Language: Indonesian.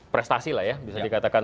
prestasi lah ya bisa dikatakan